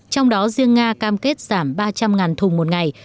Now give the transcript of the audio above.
trong đó riêng nga cam kết giảm ba trăm linh thùng một ngày